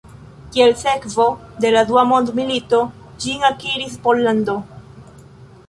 Kiel sekvo de la Dua mondmilito, ĝin akiris Pollando.